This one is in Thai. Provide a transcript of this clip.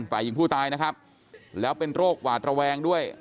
ฝ่ายหญิงผู้ตายนะครับแล้วเป็นโรคหวาดระแวงด้วย